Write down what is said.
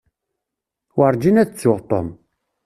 Werǧin ad ttuɣ Tom.